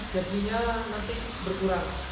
jadinya nanti berkurang